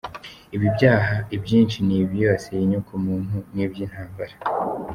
Ibi byaha ibyinshi ni ibyibasiye inyoko muntu n’iby’intambara.